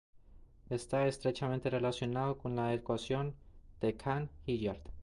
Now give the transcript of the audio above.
Está estrechamente relacionado con la ecuación de Cahn-Hilliard.